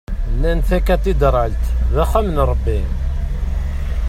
Nnan takadidralt d axxam n Rebbi.